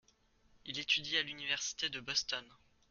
Il étudie à l’université de Boston.